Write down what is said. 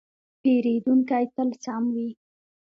پیرودونکی تل سم وي.